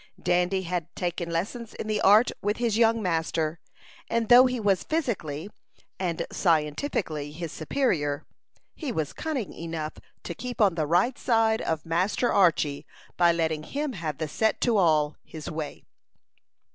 Dandy had taken lessons in the art with his young master, and though he was physically and "scientifically" his superior, he was cunning enough to keep on the right side of Master Archy, by letting him have the set to all his own way.